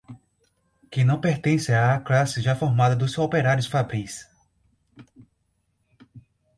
que não pertence à classe já formada dos operários fabris